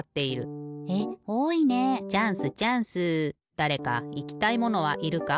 だれかいきたいものはいるか？